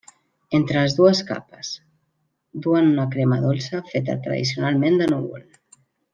Entre les dues capes, duen una crema dolça feta tradicionalment de núvol.